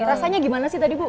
rasanya gimana sih tadi bu